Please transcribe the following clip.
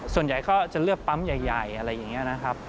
ส่วนใหญ่ก็จะเลือกปั๊มใหญ่อะไรอย่างนี้นะครับ